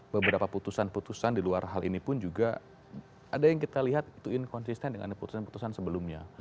beberapa putusan putusan di luar hal ini pun juga ada yang kita lihat itu inkonsisten dengan putusan putusan sebelumnya